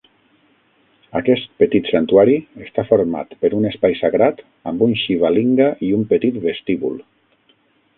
Aquest petit santuari està format per un espai sagrat amb un Shivalinga i un petit vestíbul.